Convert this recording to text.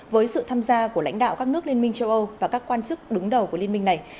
với sự tham gia của lãnh đạo các nước liên minh châu âu và các quan chức đứng đầu của liên minh này